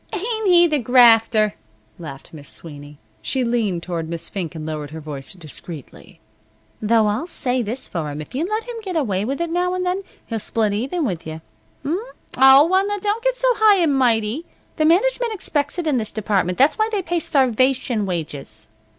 "Ain't he the grafter!" laughed Miss Sweeney. She leaned toward Miss Fink and lowered her voice discreetly. "Though I'll say this for'm. If you let him get away with it now an' then, he'll split even with you. H'm? O, well, now, don't get so high and mighty. The management expects it in this department. That's why they pay starvation wages."